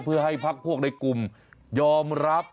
เพื่อให้พักพวกในกลุ่มยอมรับ